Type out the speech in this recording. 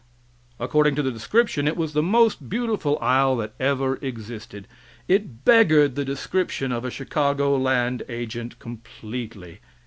According to the description, it was the most beautiful isle that ever existed; it beggared the description of a Chicago land agent completely.